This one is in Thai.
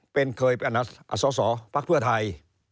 เป็นเคยเป็นสอสอภักดิ์เพื่อไทย